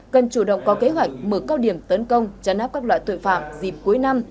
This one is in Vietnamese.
cần chủ động có kế hoạch mở cao điểm tấn công chấn áp các loại tội phạm dịp cuối năm